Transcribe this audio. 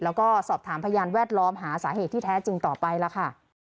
แล้วก็สอบถามพยานแวดล้อมหาสาเหตุที่แท้จริงต่อไปล่ะค่ะ